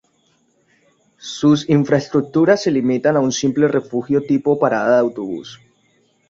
Sus infraestructuras se limitan a un simple refugio tipo parada de autobús.